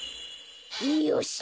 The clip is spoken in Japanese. よし！